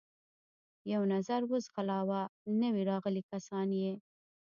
یو نظر و ځغلاوه، نوي راغلي کسان یې.